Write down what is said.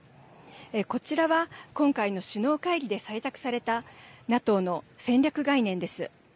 こちらは今回の首脳会議で採択されたＮＡＴＯの戦略概念です。